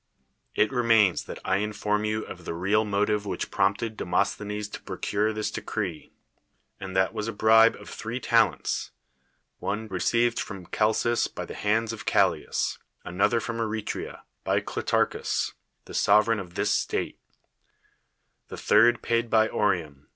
It remains that I inform you of the real motive which prompted Demosthenes to procure this decree ; and that was a bribe of three talents — one received from Chalcis, by the hands of Callias, another from Eretia, by Clitarchus, the sovereign of this state ; the third paid by Oreum.